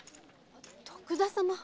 徳田様！